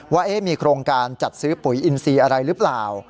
ว่ามีโครงการจัดซื้อปุ๋ยอินซีอะไรหรือเปล่า